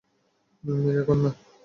মির, এখন না।